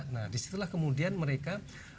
nah disitulah kemudian mereka